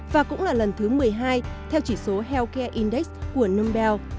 và cũng là lần thứ một mươi hai theo chỉ số healthcare index của numbel